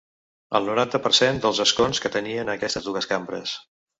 El noranta per cent dels escons que tenien en aquestes dues cambres.